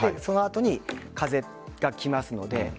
そのあとに風が来ますので。